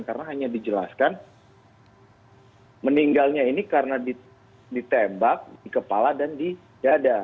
karena hanya dijelaskan meninggalnya ini karena ditembak di kepala dan di dada